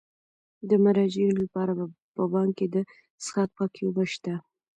د مراجعینو لپاره په بانک کې د څښاک پاکې اوبه شته.